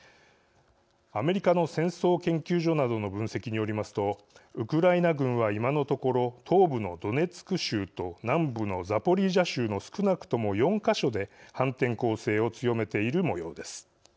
アメリカの戦争研究所などの分析によりますとウクライナ軍は今のところ東部のドネツク州と南部のザポリージャ州の少なくとも４か所で反転攻勢を強めているもようです。